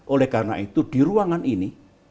oleh karena itu di ruangan ini